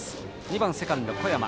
２番セカンド、小山。